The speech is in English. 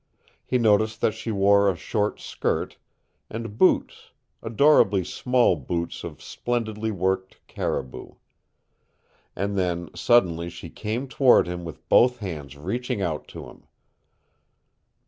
He noticed that she wore a short skirt, and boots, adorably small boots of splendidly worked caribou. And then suddenly she came toward him with both hands reaching out to him.